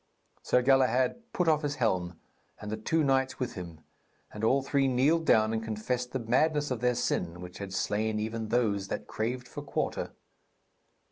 Sir Galahad put off his helm, and the two knights with him, and all three kneeled down and confessed the madness of their sin which had slain even those that craved for quarter.